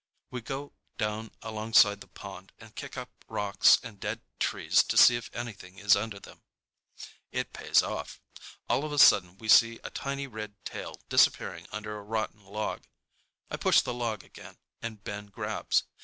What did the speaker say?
We go down alongside the pond and kick up rocks and dead trees to see if anything is under them. It pays off. All of a sudden we see a tiny red tail disappearing under a rotten log. I push the log again and Ben grabs.